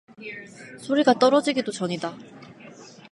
소리가 떨어지기도 전이다.